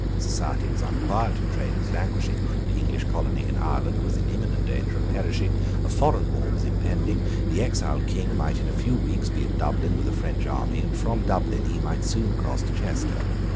Society was unquiet: trade was languishing: the English colony in Ireland was in imminent danger of perishing, a foreign war was impending: the exiled King might, in a few weeks, be at Dublin with a French army, and from Dublin he might soon cross to Chester.